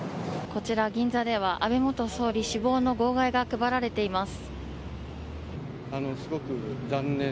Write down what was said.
こちら銀座では安倍元総理死亡の号外が配られています。